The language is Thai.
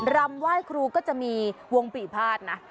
รำไหว้ครูก็จะมีวงปีภาษณ์นะ